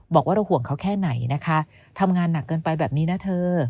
บอกว่าเราห่วงเขาแค่ไหนนะคะทำงานหนักเกินไปแบบนี้นะเธอ